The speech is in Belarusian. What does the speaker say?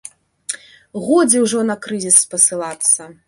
Годзе ўжо на крызіс спасылацца.